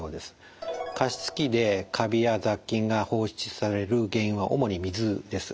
加湿器でカビや雑菌が放出される原因は主に水です。